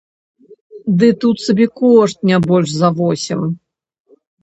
Ды тут сабекошт не больш за восем!